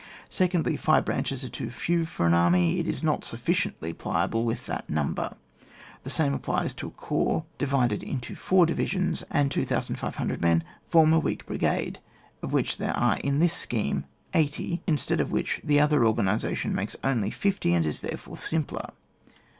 Secondly, five branches are too fev for an army, it is not sufficiently pliable with that number ; the same applies to a corps divided into four divisions, and 2,500 men form a weak brigade, of which there are in this scheme, eighty, instead of which the other organisation makes only fifty, and is therefore simpler.